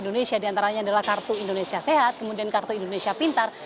di antaranya adalah kartu indonesia sehat kemudian kartu indonesia pintar